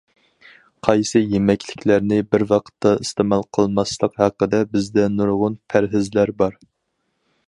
قايسى يېمەكلىكلەرنى بىر ۋاقىتتا ئىستېمال قىلماسلىق ھەققىدە بىزدە نۇرغۇن پەرھىزلەر بار.